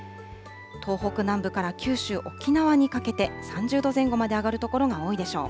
東北南部から九州、沖縄にかけて３０度前後まで上がる所が多いでしょう。